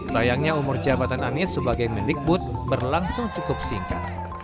sayangnya umur jabatan anies sebagai mendikbud berlangsung cukup singkat